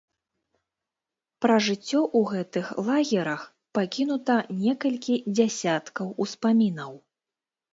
Пра жыццё ў гэтых лагерах пакінута некалькі дзясяткаў успамінаў.